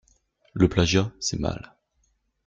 Le plagiat c'est mal.